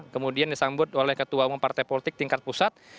kemudian disambut oleh ketua umum partai politik tingkat pusat